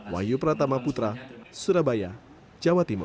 wahyu pratama putra surabaya jawa timur